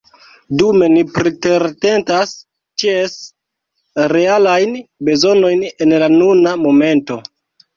Dume ni preteratentas ĉies realajn bezonojn en la nuna momento.